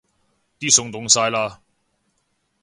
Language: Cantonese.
啲餸凍晒喇